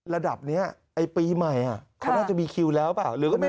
ระดับนี้ไอ้ปีใหม่อ่ะเขาน่าจะมีคิวแล้วหรือเปล่า